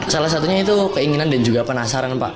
salah satunya itu keinginan dan juga penasaran pak